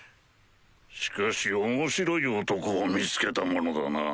しかし面白い男を見つけたものだな。